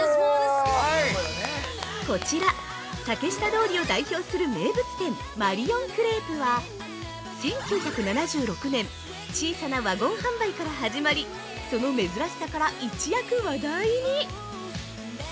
◆こちら、竹下通りを代表する名物店、マリオンクレープは１９７６年、小さなワゴン販売から始まりその珍しさから一躍話題に！